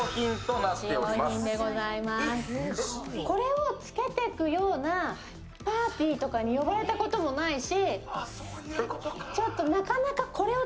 これをつけてくようなパーティーとかに呼ばれたこともないし。